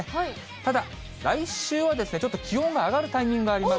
ただ来週は、ちょっと気温が上がるタイミングがあります。